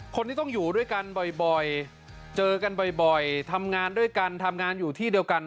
คนที่ต้องอยู่ด้วยกันบ่อยเจอกันบ่อยทำงานด้วยกันทำงานอยู่ที่เดียวกัน